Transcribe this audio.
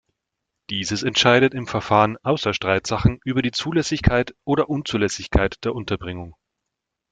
Dieses entscheidet im Verfahren außer Streitsachen über die Zulässigkeit oder Unzulässigkeit der Unterbringung.